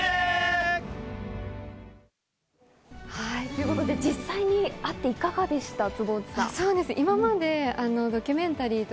ということで、実際に会っていかがでしたか？